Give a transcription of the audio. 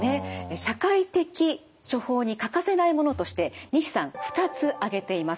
社会的処方に欠かせないものとして西さん２つ挙げています。